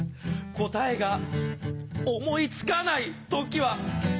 答えが思い付かない時は